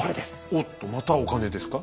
おっとまたお金ですか？